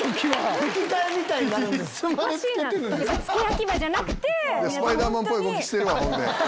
スパイダーマンっぽい動きしてる。